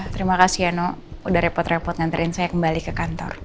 terima kasih yano udah repot repot nganterin saya kembali ke kantor